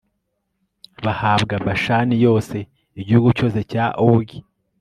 bahabwa bashani yose, igihugu cyose cya ogi